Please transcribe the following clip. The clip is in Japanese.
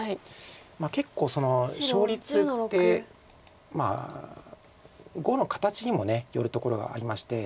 結構勝率って碁の形にもよるところがありまして。